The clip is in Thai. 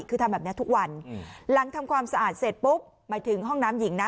คือทำแบบนี้ทุกวันหลังทำความสะอาดเสร็จปุ๊บหมายถึงห้องน้ำหญิงนะ